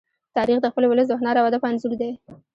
تاریخ د خپل ولس د هنر او ادب انځور دی.